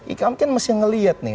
ika mungkin mesti melihat nih